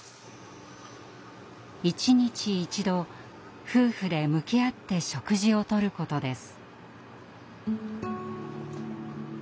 一日１度夫婦で向き合って食事をとることです。